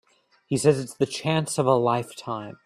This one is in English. He says it's the chance of a lifetime.